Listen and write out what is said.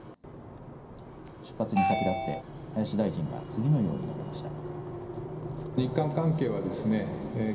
出発に先立って林大臣は次のように述べました。